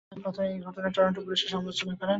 Fattah এই ঘটনায় Toronto পুলিশের সমালোচনা করেন।